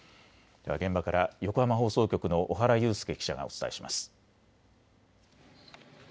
現場から横浜放送局の尾原悠介記者がお伝えします。